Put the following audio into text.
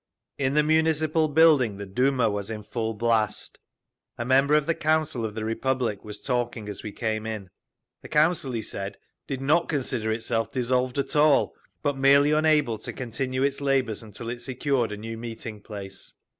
In the Municipal building the Duma was in full blast. A member of the Council of the Republic was talking as we came in. The Council, he said, did not consider itself dissolved at all, but merely unable to continue its labours until it secured a new meeting place.